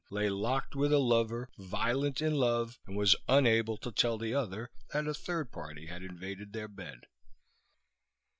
lay locked with a lover, violent in love, and was unable to tell the other that a third party had invaded their bed.